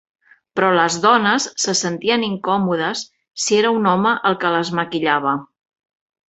Però les dones se sentien incòmodes si era un home el que les maquillava.